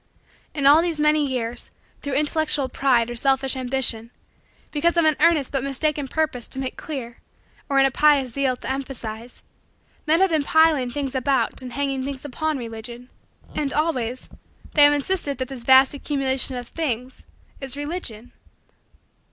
In all these many years, through intellectual pride or selfish ambition, because of an earnest but mistaken purpose to make clear, or in a pious zeal to emphasize, men have been piling things about and hanging things upon Religion; and, always, they have insisted that this vast accumulation of things is Religion.